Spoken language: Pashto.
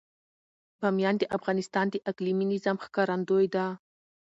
بامیان د افغانستان د اقلیمي نظام ښکارندوی ده.